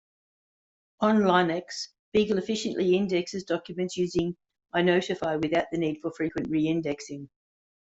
On Linux, Beagle efficiently indexes documents using inotify without the need for frequent reindexing.